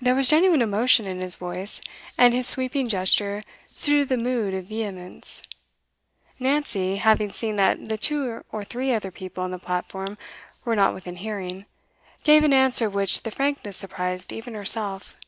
There was genuine emotion in his voice, and his sweeping gesture suited the mood of vehemence. Nancy, having seen that the two or three other people on the platform were not within hearing, gave an answer of which the frankness surprised even herself.